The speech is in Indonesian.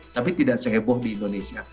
tapi tidak seheboh di indonesia